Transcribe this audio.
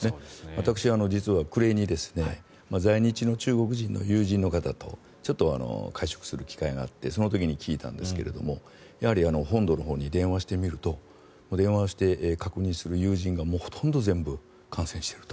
私は実は暮れに在日の中国人の友人の方とちょっと会食する機会があってその時に聞いたんですが本土のほうに電話してみると電話をして確認する友人がほとんど全部感染していると。